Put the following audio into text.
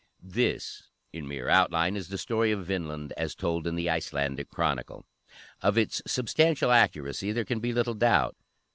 This, in mere outline, is the story of Vinland, as told in the Icelandic Chronicle. Of its substantial accuracy there can be little doubt.